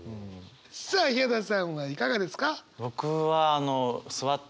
さあヒャダさんはいかがですか？